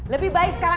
lebih baik sekarang